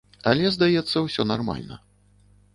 Але, здаецца, усё нармальна.